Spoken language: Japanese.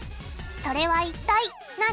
それは一体何？